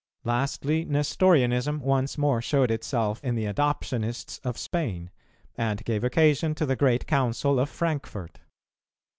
Lastly, Nestorianism once more showed itself in the Adoptionists of Spain, and gave occasion to the great Council of Frankfort.